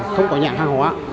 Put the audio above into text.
không có nhãn hàng hóa